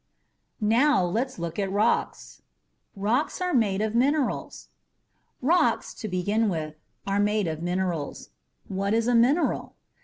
NOW LET'S LOOK AT ROCKS ROCKS ARE MADE OF MINERALS Rocks, to begin with, are made of minerals. What is a mineral?